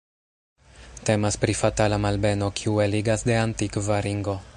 Temas pri fatala malbeno kiu eligas de antikva ringo.